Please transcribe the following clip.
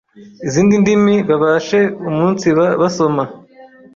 izindi ndimi babashe umunsiba basoma